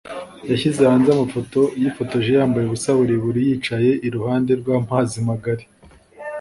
yashyize hanze amafoto yifotoje yambaye ubusa buri buri yicaye i ruhande rw’amazi magari